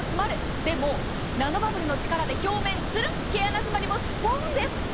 でもナノバブルの泡で表面ツルッ、毛穴汚れもスポーンです。